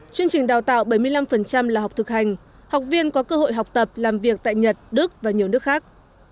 chương trình đào tạo bảy mươi năm là học thực hành học viên có cơ hội học tập làm việc tại nhật đức và nhiều nước khác